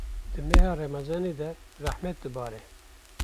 di meha Remezanê de rehmet dibare.